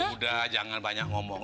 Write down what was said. udah jangan banyak ngomong